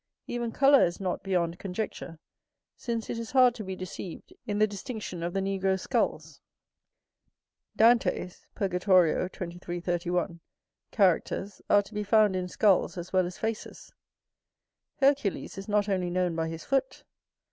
Even colour is not beyond conjecture, since it is hard to be deceived in the distinction of the Negroes' skulls. Dante's[BH] characters are to be found in skulls as well as faces. Hercules is not only known by his foot.